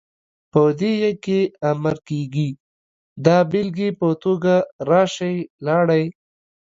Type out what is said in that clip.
په دې ئ کې امر کيږي، دا بيلګې په توګه ، راشئ، لاړئ،